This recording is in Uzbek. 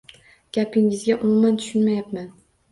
Gapingizgа umuman tushunmayapman.